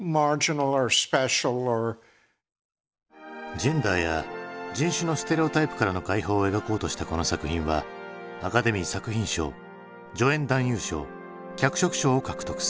ジェンダーや人種のステレオタイプからの解放を描こうとしたこの作品はアカデミー作品賞助演男優賞脚色賞を獲得する。